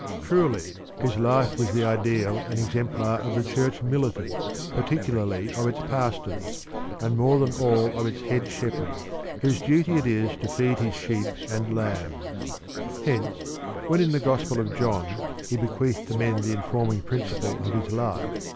Truly, His life was the ideal and exemplar of the Church militant, par ticularly of its pastors, and more than all of its Head Shepherd, whose duty it is to feed His sheep and lambs. Hence, when in the Gospel of John He bequeathed to men the informing principle of His life.